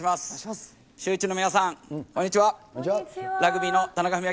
シューイチの皆さん、こんにちは。